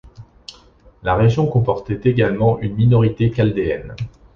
La région comportait également une minorité chaldéenne.